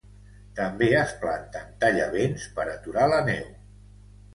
També es planten tallavents per aturar la neu.